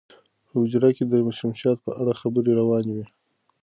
په حجره کې د شمشاد په اړه خبرې روانې وې.